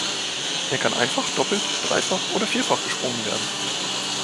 Er kann einfach, doppelt, dreifach oder vierfach gesprungen werden.